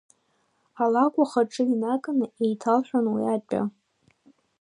Алакә ахаҿы инаганы еиҭалҳәон уи атәы.